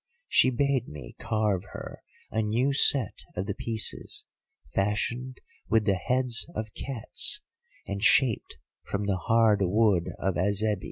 She bade me carve her a new set of the pieces fashioned with the heads of cats, and shaped from the hard wood of Azebi.